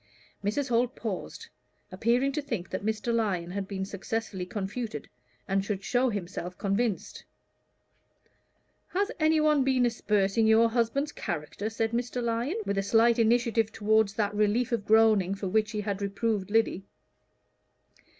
Mrs. Holt paused, appearing to think that Mr. Lyon had been successfully confuted, and should show himself convinced. "Has any one been aspersing your husband's character?" said Mr. Lyon, with a slight initiative toward that relief of groaning for which he had reproved Lyddy.